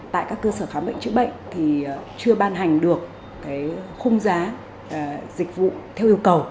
tại các cơ sở khám bệnh chữa bệnh thì chưa ban hành được khung giá dịch vụ theo yêu cầu